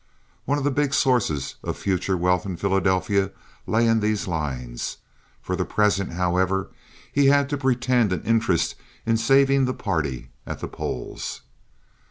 One of the big sources of future wealth in Philadelphia lay in these lines. For the present, however, he had to pretend an interest in saving the party at the polls.